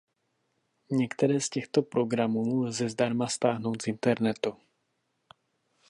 Některé z těchto programů lze zdarma stáhnout z internetu.